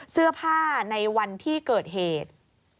เสื้อผ้าในวันที่เกิดเหตุ